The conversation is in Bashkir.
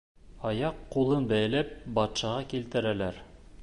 Аяҡ-ҡулын бәйләп, батшаға килтерәләр.